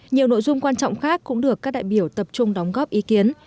nhiều nội dung quan trọng khác cũng được các đại biểu tập trung đóng góp ý kiến